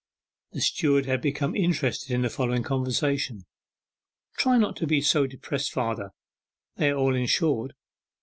The steward had become interested in the following conversation: 'Try not to be so depressed, father; they are all insured.